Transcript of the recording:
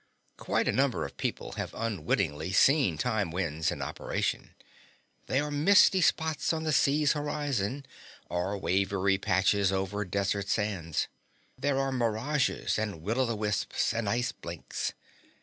Quite a number of people have unwittingly seen time winds in operation. There are misty spots on the sea's horizon and wavery patches over desert sands. There are mirages and will o' the wisps and ice blinks.